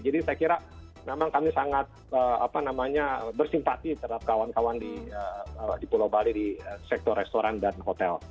jadi saya kira memang kami sangat apa namanya bersimpati terhadap kawan kawan di pulau bali di sektor restoran dan hotel